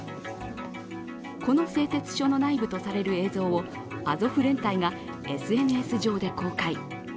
この製鉄所の内部とされる映像をアゾフ連隊がＳＮＳ上で公開。